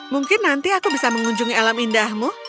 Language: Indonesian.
mungkin nanti aku bisa mengunjungi alam indahmu